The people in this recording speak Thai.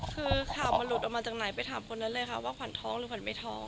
คือข่าวมันหลุดออกมาจากไหนไปถามคนนั้นเลยค่ะว่าขวัญท้องหรือขวัญไม่ท้อง